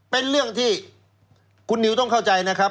เป็นเรื่องที่คุณนิวต้องเข้าใจนะครับ